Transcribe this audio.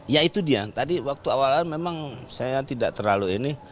ya itu dia tadi waktu awal awal memang saya tidak terlalu ini